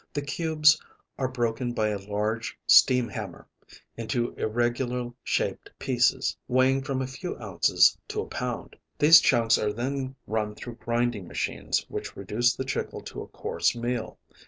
The cubes are broken by a large steam hammer into irregular shaped pieces weighing from a few ounces to a pound. These chunks are then run through grinding machines, which reduce the chicle to a coarse meal.